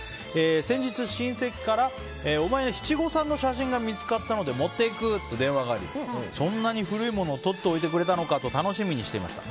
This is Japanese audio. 先日、親戚からお前の七五三の写真が見つかったので持っていくと電話がありそんなに古いものをとっておいてくれたのかと楽しみにしていました。